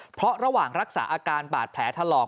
เพราะระหว่างรักษาอาการบาดแผลถลอก